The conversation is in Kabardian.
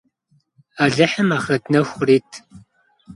Alıhım axhret nexu khırit.